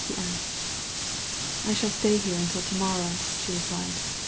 he asked ''I shall stay here until to morrow/' she replied.